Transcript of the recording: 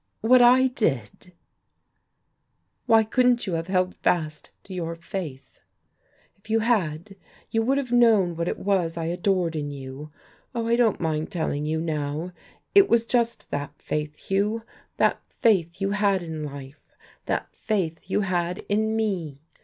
"What I did?" "Why couldn't you have held fast to your faith? If you had, you would have known what it was I adored in you. Oh, I don't mind telling you now, it was just that faith, Hugh, that faith you had in life, that faith you had in me.